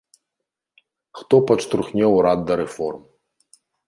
Хто падштурхне ўрад да рэформ.